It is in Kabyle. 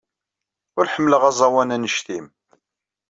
Ur ḥemmleɣ aẓawan anect-nnem.